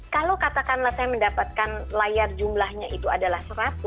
kalau katakanlah saya mendapatkan layar jumlahnya itu adalah seratus